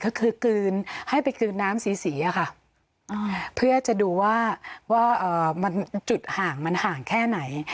ก็คือให้ไปคืนน้ำสีเพื่อจะดูว่ามันจุดห่างมันห่างแค่ไหน